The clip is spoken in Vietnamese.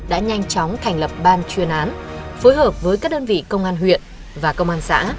đã nhanh chóng thành lập ban chuyên án phối hợp với các đơn vị công an huyện và công an xã